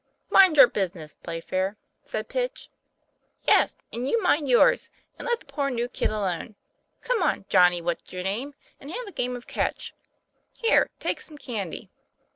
" Mind your business, Playfair," said Pitch. " Yes, and you mind yours, and let the poor new kid alone. Come on, Johnny What's your name, and have a game of catch. Here, take some candy."